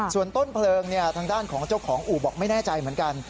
ส่วนต้นเพลิงทางด้านของเจ้าของอู่บอกไม่แน่ใจเหมือนกัน